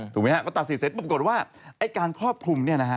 ถูกไหมครับเขาตัดสิทธิ์เสร็จปรากฏว่า